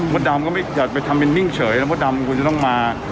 ดำก็ไม่อยากไปทำเป็นมิ่งเฉยแล้วมดดำคุณจะต้องมา